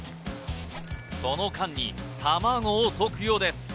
その間に卵を溶くようです